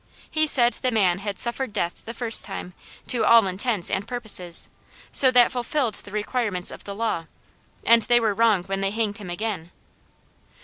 He said the man had suffered death the first time to "all intents and purposes," so that fulfilled the requirements of the law, and they were wrong when they hanged him again.